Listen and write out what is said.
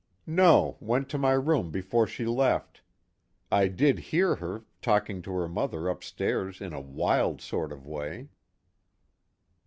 "No, went to my room before she left. I did hear her, talking to her mother upstairs in a wild sort of way."